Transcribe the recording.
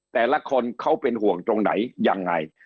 แต่ละคนเขาเป็นห่วงตรงไหนยังไง